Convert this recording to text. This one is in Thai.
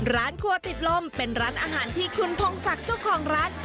ร้านครัวติดลมเป็นร้านอาหารที่คุณพงศักดิ์เจ้าของร้าน